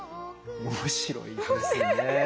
面白いですね。